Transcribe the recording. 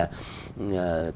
thí dụ như là